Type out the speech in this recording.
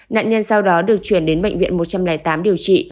nạn nhân sau đó được chuyển đến bệnh viện một trăm linh tám điều trị